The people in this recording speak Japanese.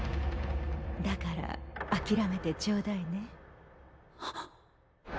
だからあきらめてちょうだいね。